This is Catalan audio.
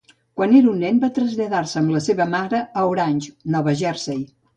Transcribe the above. Quan era un nen, va traslladar-se amb la seva família a Orange, Nova Jersei.